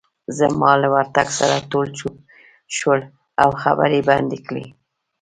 زما له ورتګ سره ټول چوپ شول، او خبرې يې بندې کړې.